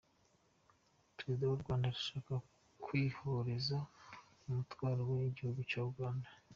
Perezida w’u Rwanda arashaka kwikoreza umutwaro we igihugu cya Uganda.